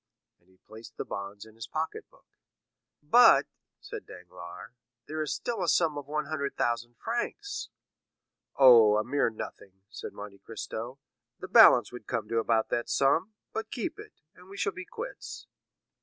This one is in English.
And he placed the bonds in his pocket book. "But," said Danglars, "there is still a sum of one hundred thousand francs?" "Oh, a mere nothing," said Monte Cristo. "The balance would come to about that sum; but keep it, and we shall be quits."